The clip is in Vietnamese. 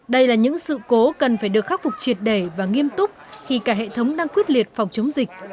đây là những sự cố cần phải được khắc phục triệt để và nghiêm túc khi cả hệ thống đang quyết liệt phòng chống dịch